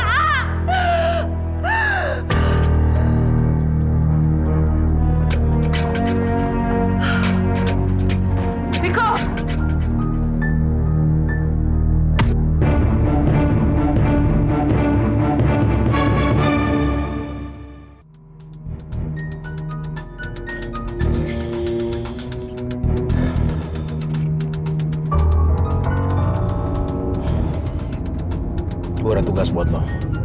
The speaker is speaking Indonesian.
aku ada tugas buat lo